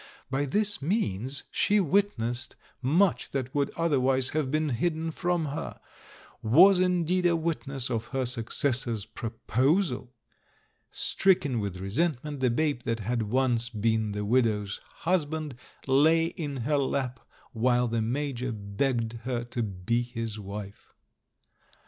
By this means she witnessed much that would otherwise have been hidden from her — was indeed a witness of her successor's proposal. Stricken with resentment, the babe that had once been the widow's husband lay in her lap while the Major begged her to be his wife.